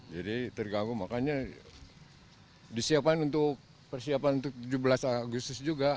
jadi terganggu makanya disiapkan untuk persiapan untuk tujuh belas agustus juga